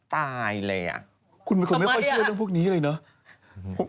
ตามรอยมูนัยนะ